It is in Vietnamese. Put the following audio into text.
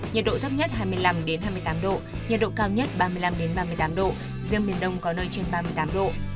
nhiệt độ thấp nhất hai mươi một hai mươi bốn độ nhiệt độ cao nhất ba mươi tám độ riêng miền đông có nơi trên ba mươi tám độ